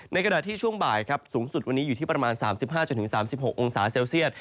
ขณะที่ช่วงบ่ายครับสูงสุดวันนี้อยู่ที่ประมาณ๓๕๓๖องศาเซลเซียต